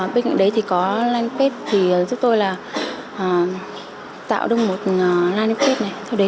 bên cạnh đấy thì có linepage thì giúp tôi là tạo đông một linepage này